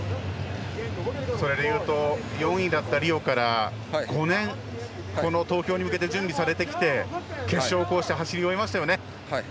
それで言うと４位だったリオから５年、東京に向けて準備されてきて決勝、走り終えましたよね。